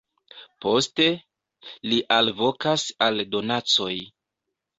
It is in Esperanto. Poste, li alvokas al donacoj.